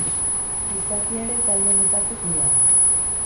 Gizakia ere talde honetako kidea da.